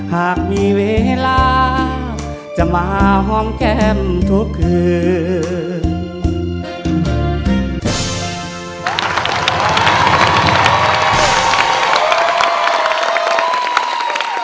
หากมีเวลาจะมาห้องแก้มทุกคืน